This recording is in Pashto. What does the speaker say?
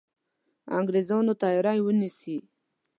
انګرېزانو تیاری ونیسي.